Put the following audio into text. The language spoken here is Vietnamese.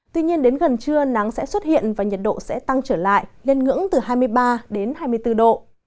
tuy nhiên đến gần trưa nắng sẽ xuất hiện và nhiệt độ sẽ tăng trở lại lên ngưỡng từ hai mươi ba đến hai mươi bốn độ